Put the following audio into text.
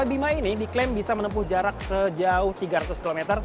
bima ini diklaim bisa menempuh jarak sejauh tiga ratus km